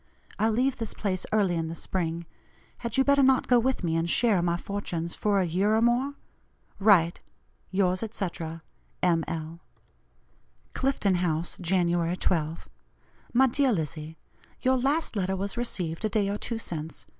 I leave this place early in the spring; had you better not go with me and share my fortunes, for a year or more? Write. "Yours, etc., M. L." "CLIFTON HOUSE, January 12. "MY DEAR LIZZIE: Your last letter was received a day or two since.